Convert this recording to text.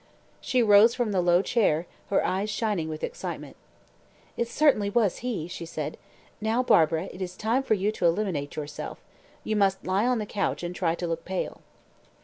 She rose from the low chair, her eyes shining with excitement. "It certainly was he!" she said. "Now, Barbara it is time for you to eliminate yourself you must lie on the couch and try to look pale."